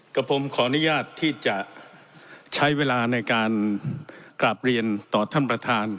กับผมขออนุญาตที่จะใช้เวลาในการกราบเรียนต่อท่านประธาน